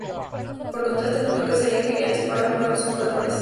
Por contraste, notó que serían geniales para nuevos jugadores.